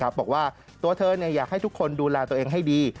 บอกว่าตัวเธออยากให้ทุกคนดูแลตัวเองให้ดี